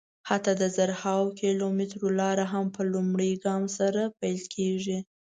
حتی د زرهاوو کیلومترو لاره هم په لومړي ګام سره پیل کېږي.